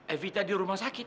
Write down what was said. evita di rumah sakit